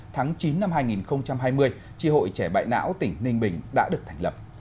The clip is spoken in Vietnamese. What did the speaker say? tháng chín năm hai nghìn hai mươi tri hội trẻ bại não tỉnh ninh bình đã được thành lập